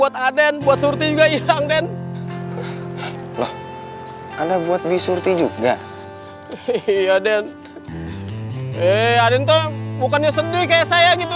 ndak ada buat wisurti juga ya den ren nie arento bukannya sendiri kayak saya gitu